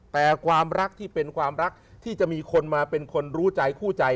แต่ความรักที่เป็นความรักที่จะมีคนมาเป็นคนรู้ใจคู่ใจ